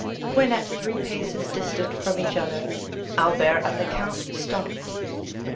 When at three paces distant from each other, Albert and the count stopped.